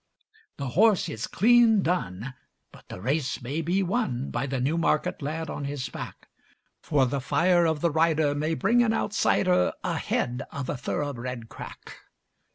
The horse is clean done, but the race may be won By the Newmarket lad on his back; For the fire of the rider may bring an outsider Ahead of a thoroughbred crack.